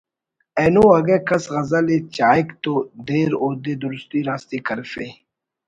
اینو اگہ کس غزلءِ چاہک تو دیر اودے درستی راستی کرفے